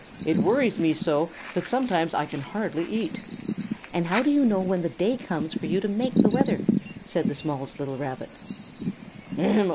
It worries me so that sometimes I can hardly eat." "And how do you know when the day comes for you to make the weather?" said the smallest little rabbit.